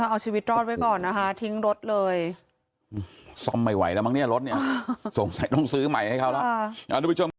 เอาชีวิตรอดไว้ก่อนนะคะทิ้งรถเลยซ่อมไม่ไหวแล้วมั้งเนี่ยรถเนี่ยสงสัยต้องซื้อใหม่ให้เขาแล้ว